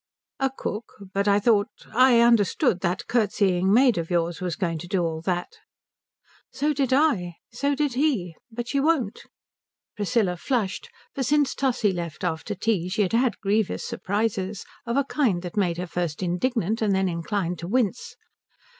"A cook? But I thought I understood that curtseying maid of yours was going to do all that?" "So did I. So did he. But she won't." Priscilla flushed, for since Tussie left after tea she had had grievous surprises, of a kind that made her first indignant and then inclined to wince.